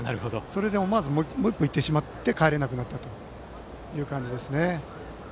それで思わずもう一歩いってしまってかえれなくなったということです。